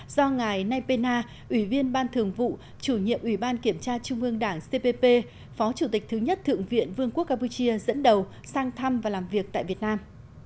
do ngài nay pena ủy viên ban thường vụ chủ nhiệm ủy ban kiểm tra trung ương đảng cpp phó chủ tịch thứ nhất thượng viện vương quốc campuchia dẫn đầu sang thăm và làm việc tại việt nam